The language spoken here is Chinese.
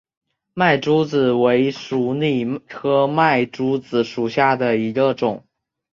麦珠子为鼠李科麦珠子属下的一个种。